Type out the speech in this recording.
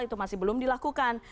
itu masih belum dilakukan